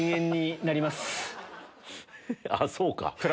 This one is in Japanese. あぁそうか。